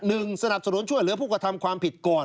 สนับสนุนช่วยเหลือผู้กระทำความผิดก่อน